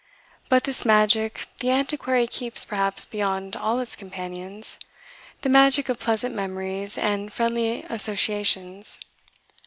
But this magic "The Antiquary" keeps perhaps beyond all its companions, the magic of pleasant memories and friendly associations.